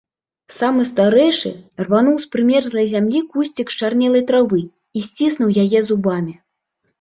Самы старэйшы рвануў з прымерзлай зямлі кусцік счарнелай травы і сціснуў яе зубамі.